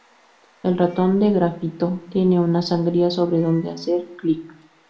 El ratón de grafito tiene una sangría sobre dónde hacer clic.